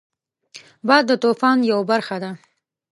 باد د طوفان یو برخه ده